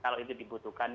kalau itu dibutuhkan